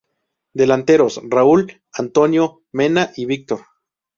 Delanteros: Raúl, Antonio, Mena y Víctor.